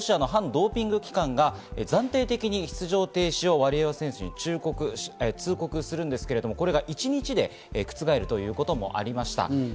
ロシアの反ドーピング機関が暫定的に出場停止をワリエワ選手に通告するんですけれども、これが一日で覆るということもありました。